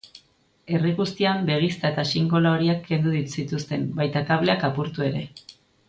Herri guztian begizta eta xingola horiak kendu zituzten, baita kableak apurtu ere.